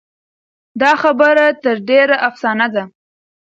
دا خبره تر ډېره افسانه ده.